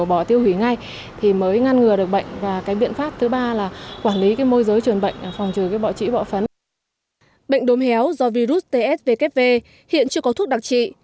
bệnh đốm héo do virus tsvkv hiện chưa có thuốc đặc trị